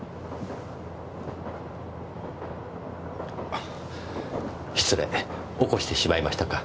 あ失礼起こしてしまいましたか？